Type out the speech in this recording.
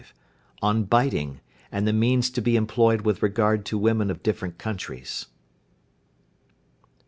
ON BITING, AND THE MEANS TO BE EMPLOYED WITH REGARD TO WOMEN OF DIFFERENT COUNTRIES.